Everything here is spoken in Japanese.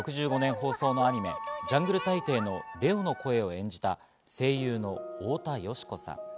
放送のアニメ『ジャングル大帝』のレオの声を演じた声優の太田淑子さん。